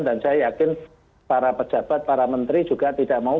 dan saya yakin para pejabat para menteri juga tidak mau